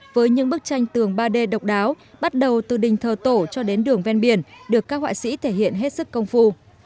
với những bức tranh tường ba d độc đáo bắt đầu từ đình thờ tổ cho đến đường ven biển được các họa sĩ thể hiện hết sức công phu